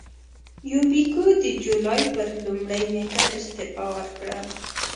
یوبیکو د جولای پر لومړۍ نېټه استعفا وکړه.